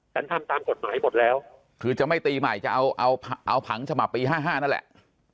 ทำตามกฎหมายหมดแล้วคือจะไม่ตีใหม่จะเอาเอาผังฉบับปี๕๕นั่นแหละ